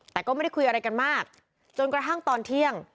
แต่ก็ไม่ได้คุยอะไรกันมากจนกระทั่งตอนเที่ยง